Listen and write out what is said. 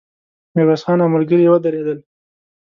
ميرويس خان او ملګري يې ودرېدل.